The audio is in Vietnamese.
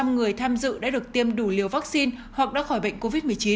một mươi người tham dự đã được tiêm đủ liều vaccine hoặc đã khỏi bệnh covid một mươi chín